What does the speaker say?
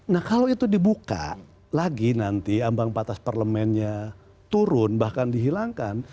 nah kalau itu dibuka lagi nanti ambang batas parlemennya turun bahkan dihilangkan